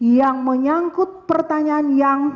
yang menyangkut pertanyaan yang